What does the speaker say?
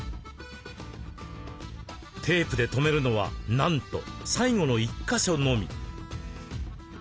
テープで留めるのはなんと最後の１か所のみ。